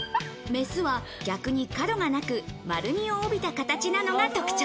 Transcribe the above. メスは逆に角がなく、丸みを帯びた形なのが特徴。